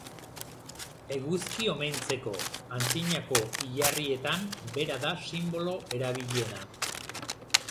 Eguzki omentzeko, antzinako hilarrietan bera da sinbolo erabiliena.